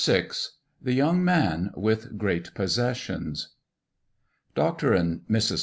VI THE YOUNG MAN WITH GREAT POSSESSIONS DR. AND MRS.